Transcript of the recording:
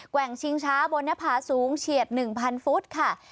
ว่งชิงช้าบนหน้าผาสูงเฉียด๑๐๐ฟุตค่ะ